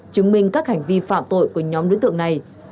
chứng minh các hành vi phạm tội của nhóm đối tượng này